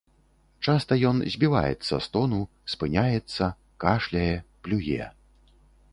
Часта ён збіваецца з тону, спыняецца, кашляе, плюе.